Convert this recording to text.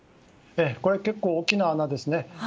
結構大きな穴ですね。